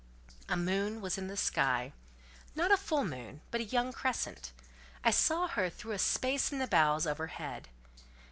A moon was in the sky, not a full moon, but a young crescent. I saw her through a space in the boughs overhead.